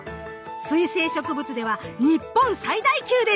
水生植物では日本最大級です！